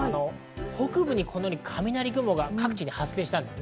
北部にこのように雷雲が各地で発生したんです。